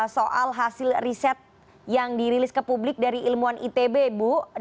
soal hasil riset yang dirilis ke publik dari ilmuwan itb bu